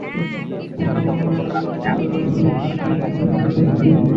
বোমার আঘাতে মারাত্মক আহত রফিকের জ্ঞান ফেরে ঘটনার দুই দিন পর।